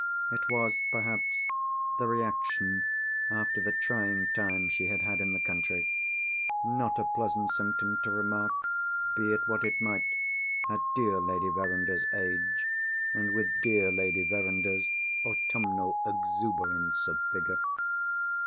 It was, perhaps, the reaction after the trying time she had had in the country. Not a pleasant symptom to remark, be it what it might, at dear Lady Verinder's age, and with dear Lady Verinder's autumnal exuberance of figure.